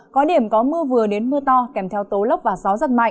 có điểm có mưa vừa đến mưa to kèm theo tố lốc và gió giật mạnh